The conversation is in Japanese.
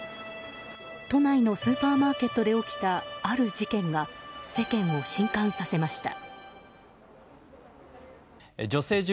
都内のスーパーマーケットで起きたある事件が世間を震撼させました。